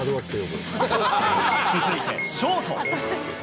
続いてショート。